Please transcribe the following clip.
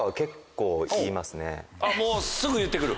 もうすぐ言って来る？